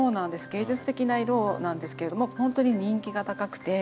芸術的な色なんですけどもほんとに人気が高くて。